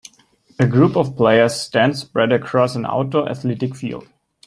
A group of players stand spread across an outdoor athletic field.